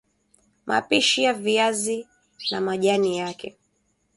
Mapishi ya viazi na majani yake